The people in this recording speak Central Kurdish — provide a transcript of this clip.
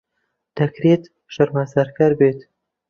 دەکرێت شەرمەزارکەر بێت.